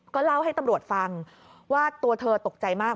ก็เล่าให้ตำรวจฟังว่าตัวเธอตกใจมาก